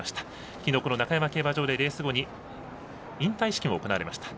昨日、中山競馬場でレース後に引退式も行われました。